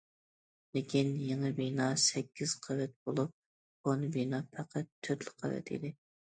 لېكىن يېڭى بىنا سەككىز قەۋەت بولۇپ، كونا بىنا پەقەت تۆتلا قەۋەت ئىدى.